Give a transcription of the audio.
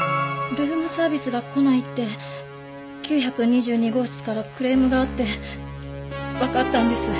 ルームサービスが来ないって９２２号室からクレームがあってわかったんです。